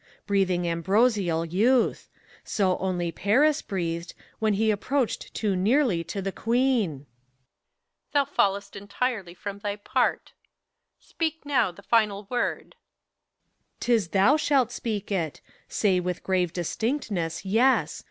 Breathing ambrosial youth I So only Paris breathed. When he approached too nearly to the Queen. HELENA. Thou f all'st Entirely from thy part : speak now the final word I PHORKYAS. 'Tis thou shalt speak it: say with grave distinctness, Yes!